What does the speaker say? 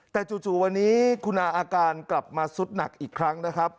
แต่จู่วันนี้คุณอาอาการกลับมาสุดหนักอีกครั้งนะครับ